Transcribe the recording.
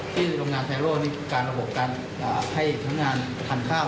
ที่โรงงานไทแอโร่มีการระบบให้ทางการทานข้าว